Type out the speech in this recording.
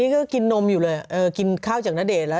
นี่ก็กินนมอยู่เลยกินข้าวจากณเดชน์แล้ว